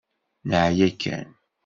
Neεya kan.